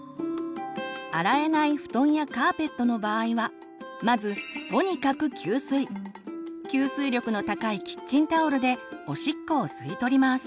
洗えない布団やカーペットの場合はまず吸水力の高いキッチンタオルでおしっこを吸い取ります。